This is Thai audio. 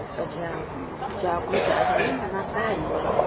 ตอนเช้าตอนเช้าคือเช้าที่รักทรายหน่อย